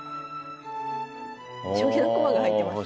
将棋の駒が入ってますね。